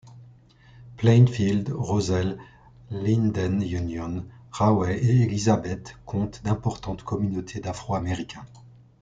Plainfield, Roselle, Linden, Union, Rahway et Elizabeth comptent d'importantes communautés d'Afro-Américains.